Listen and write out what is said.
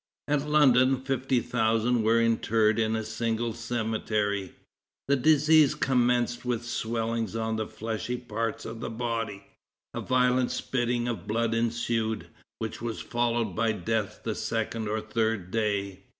At London fifty thousand were interred in a single cemetery. The disease commenced with swellings on the fleshy parts of the body, a violent spitting of blood ensued, which was followed by death the second or third day.